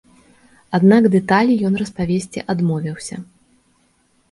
Аднак дэталі ён распавесці адмовіўся.